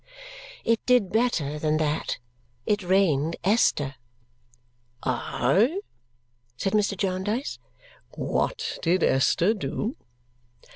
"It did better than that. It rained Esther." "Aye?" said Mr. Jarndyce. "What did Esther do?"